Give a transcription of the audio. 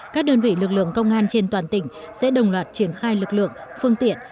các đơn vị lực lượng công an trên toàn tỉnh sẽ đồng loạt triển khai lực lượng phương tiện